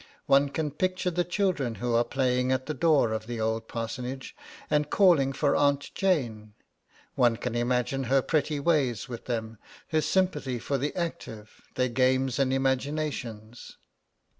One can picture the children who are playing at the door of the old parsonage, and calling for Aunt Jane. One can imagine her pretty ways with them, her sympathy for the active, their games and imaginations.